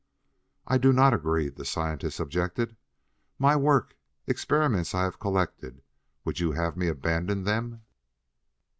"I do not agree," the scientist objected. "My work, my experiments I have collected! Would you have me abandon them?